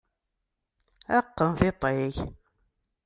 Qqen tiṭ-ik!